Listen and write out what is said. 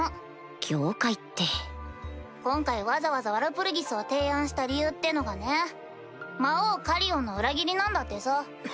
業界って今回わざわざワルプルギスを提案した理由っていうのがね魔王カリオンの裏切りなんだってさ。